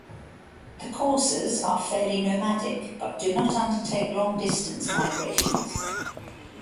The coursers are fairly nomadic, but do not undertake long distance migrations.